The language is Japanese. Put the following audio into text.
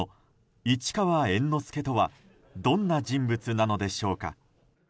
市川猿之助とはどんな人物なのでしょうか。